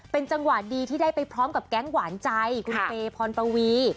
เป็นจังหวะดีที่ได้ไปพร้อมกับแก๊งหวานใจคุณเปย์พรปวี